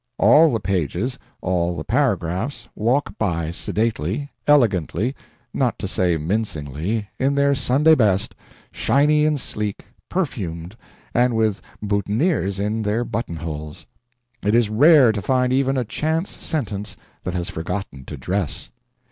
All the pages, all the paragraphs, walk by sedately, elegantly, not to say mincingly, in their Sunday best, shiny and sleek, perfumed, and with boutonnieres in their button holes; it is rare to find even a chance sentence that has forgotten to dress.